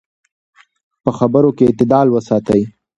په خبرو کې اعتدال وساتئ.